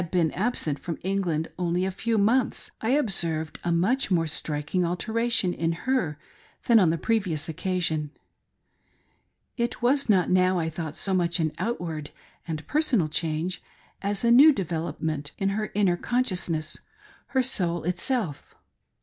I97 now been absent from England only a few months, I observed a much more striking alteration in her than on the previous occasion. It was not now, I thought, so much an outward and personal change, as a new development of her inner con sciousness— her soul itself.